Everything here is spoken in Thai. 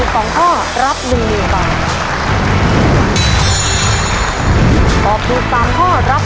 ยังไม่หมดเท่านั้นนะครับ